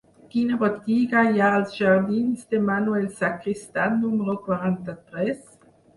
Quina botiga hi ha als jardins de Manuel Sacristán número quaranta-tres?